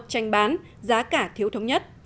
tranh bán giá cả thiếu thống nhất